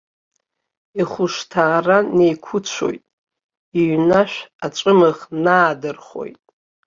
Ихәышҭаара неиқәыцәоит, иҩнашә аҵәымӷ наадырхоит.